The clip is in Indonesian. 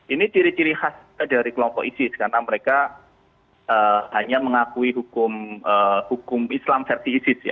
ini ciri ciri khas dari kelompok isis karena mereka hanya mengakui hukum islam verti isis ya